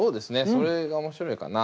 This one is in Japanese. それが面白いかな。